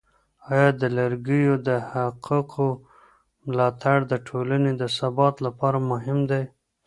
آیا د لږکیو د حقوقو ملاتړ د ټولني د ثبات لپاره مهم دی؟